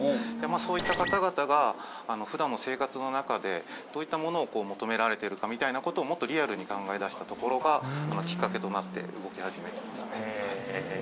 そういった方々が普段の生活の中でどういったものを求められているかみたいな事をもっとリアルに考えだしたところがきっかけとなって動き始めていますね。